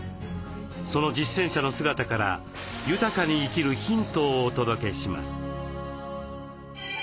その実践者の姿から豊かに生きるヒントをお届けします。